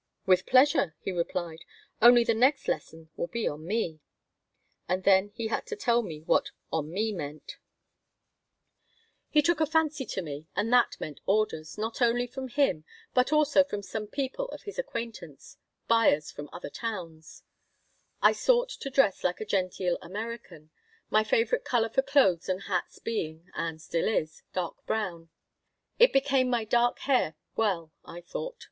"With pleasure," he replied. "Only the next 'lesson' will be on me." And then he had to tell me what "on me" meant He took a fancy to me and that meant orders, not only from him, but also from some people of his acquaintance, buyers from other towns I sought to dress like a genteel American, my favorite color for clothes and hats being (and still is) dark brown. It became my dark hair well, I thought.